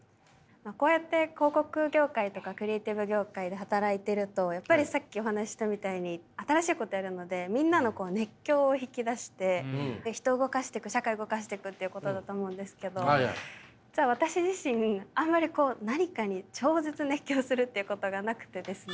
こうやって広告業界とかクリエーティブ業界で働いているとやっぱりさっきお話ししたみたいに新しいことやるのでみんなのこう熱狂を引き出して人を動かしていく社会動かしていくっていうことだと思うんですけど実は私自身あんまりこう何かに超絶熱狂するっていうことがなくてですね。